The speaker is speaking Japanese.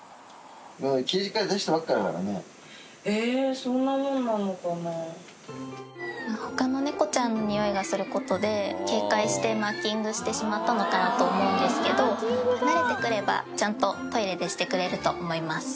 ケージから出したばっかだかえー、ほかの猫ちゃんのにおいがすることで、警戒してマーキングしてしまったのかなと思うんですけど、慣れてくれば、ちゃんとトイレでしてくれると思います。